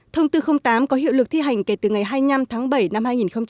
thông tư tám có hiệu lực thi hành kể từ ngày hai mươi năm tháng bảy năm hai nghìn một mươi chín